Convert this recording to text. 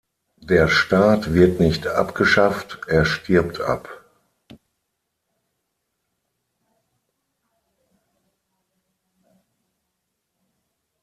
Der Staat wird nicht ‚abgeschafft‘, er stirbt ab“.